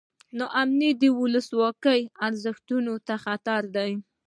نا امني د ولسواکۍ ارزښتونو ته خطر دی.